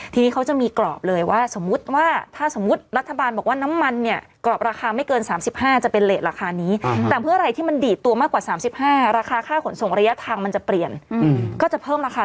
ทีนี้เขาจะมีกรอบเลยว่าสมมุติว่า